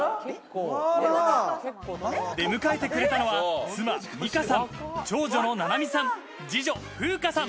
出迎えてくれたのは、妻・美佳さん、長女の菜々海さん、二女・楓香さん。